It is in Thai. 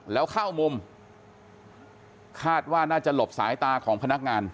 แล้วเข้ามุมคาดว่าน่าจะหลบสายตาของพนักงาน